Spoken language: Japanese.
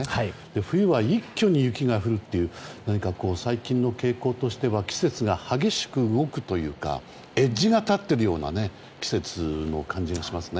冬は一挙に雪が降るという何か、最近の傾向としては季節が激しく動くというかエッジが立っているような季節の感じがしますね。